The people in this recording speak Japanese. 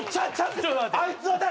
あいつは誰？